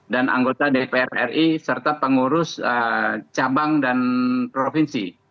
dan anggota dprri serta pengurus cabang dan provinsi